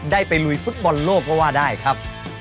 ได้ไปลุยฟุตบอลโลกก็ว่าได้ครับ